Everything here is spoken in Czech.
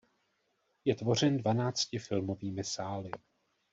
Je tvořen dvanácti filmovými sály.